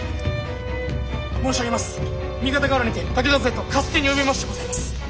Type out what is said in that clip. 三方ヶ原にて武田勢と合戦に及びましてございます。